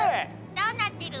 どうなってる？